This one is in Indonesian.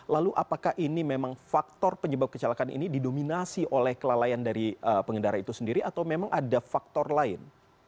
lalu apakah ini memang faktor penyebab kecelakaan ini didominasi oleh kelalaian dari pengendara itu sendiri atau memang ada faktor lain